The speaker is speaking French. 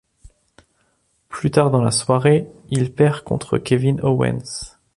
Plus tard dans la soirée, il perd contre Kevin Owens.